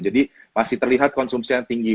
jadi masih terlihat konsumsi yang tinggi